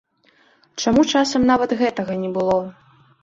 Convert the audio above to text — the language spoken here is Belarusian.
Чаму часам нават гэтага не было?